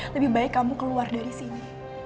lebih baik kamu keluar dari sini